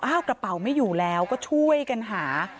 กระเป๋าไม่อยู่แล้วก็ช่วยกันหา